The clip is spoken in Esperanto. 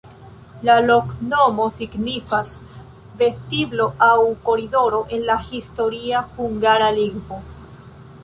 La loknomo signifas: vestiblo aŭ koridoro en la historia hungara lingvo.